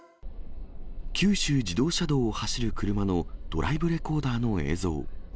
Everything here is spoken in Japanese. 九州自動車道を走る車のドライブレコーダーの映像。